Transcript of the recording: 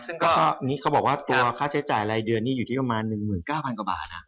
ซึ่งตัวเขาบอกว่าค่าใช้จ่ายในเรือนนี้อยู่ที่ประมาณ๑๙๐๐๐บาทฮะ